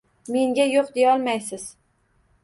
Menga yo`q, deyolmaysiz